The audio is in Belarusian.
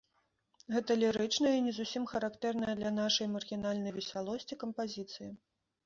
Гэта лірычная і не зусім характэрная для нашай маргінальнай весялосці кампазіцыя.